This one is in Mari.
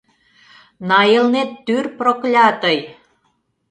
На Элнеттӱр проклятой!»